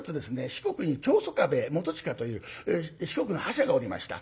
四国に長宗我部元親という四国の柱がおりました。